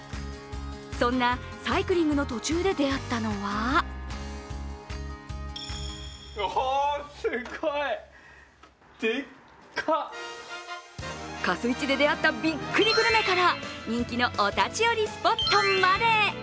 そんなサイクリングの途中で出会ったのはかすいちで出会ったびっくりグルメから人気のお立ち寄りスポットまで。